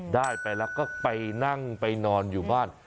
ได้ไปแล้วก็ไปนั่งไปนอนอยู่บ้าน